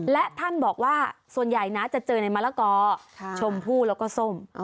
และท่านบอกว่าส่วนใหญ่นะจะเจอในมะละกอชมพู่แล้วก็ส้ม